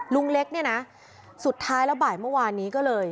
ลุงเล็กเนี่ยนะสุดท้ายแล้วบ่ายเมื่อวานนี้ก็เลย